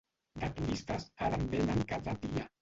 De turistes, ara en venen cada dia.